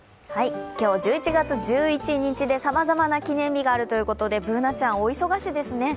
今日１１月１１日でさまざまな記念日があるということでＢｏｏｎａちゃん、お忙しいですね。